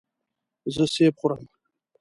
زه سیب خورم.